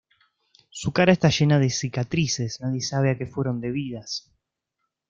Su cara está llena de cicatrices, nadie sabe a que fueron debidas.